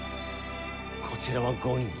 こちらは５人。